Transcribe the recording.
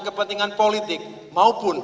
kepentingan politik maupun